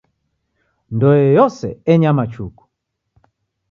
Ndoe yose enyama chuku.